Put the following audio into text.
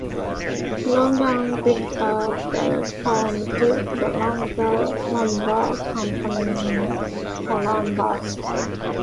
Long and Victor Bell formed the Long-Bell Lumber Company in Columbus.